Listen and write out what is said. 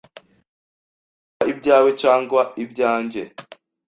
bikaba ibyawe cyangwa ibyange ,